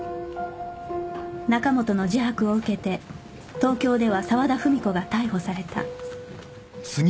中本の自白を受けて東京では沢田文子が逮捕された